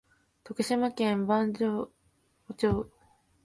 徳島県上板町